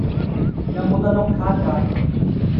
有冇得碌卡㗎